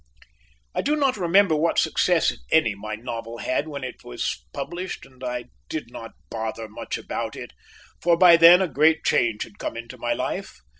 I do not remember what success, if any, my novel had when it was published, and I did not bother about it much, for by then a great change had come into my life.